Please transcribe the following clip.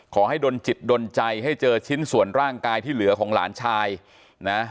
ดนจิตดนใจให้เจอชิ้นส่วนร่างกายที่เหลือของหลานชายนะ